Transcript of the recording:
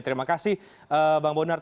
terima kasih bang bonar